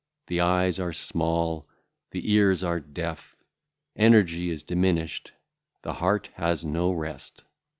The eyes are small; the ears are deaf. Energy is diminished, the heart hath no rest.